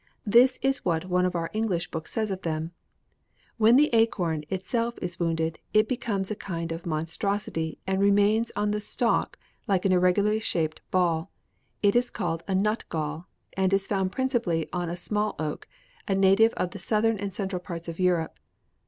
This is what one of our English books says of them: 'When the acorn itself is wounded, it becomes a kind of monstrosity, and remains on the stalk like an irregularly shaped ball. It is called a "nut gall," and is found principally on a small oak, a native of the southern and central parts of Europe.